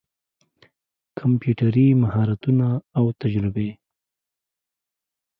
کمپيوټري مهارتونه او تجربې